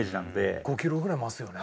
５キロぐらい増すよね。